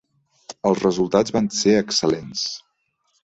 Els resultats van ser excel·lents.